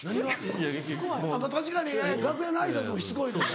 まぁ確かに楽屋の挨拶もしつこいです。